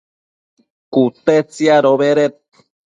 cute tsiadobeded